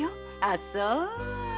あそう。